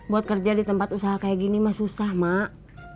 buat kerja di tempat usaha kayak gini mah susah mak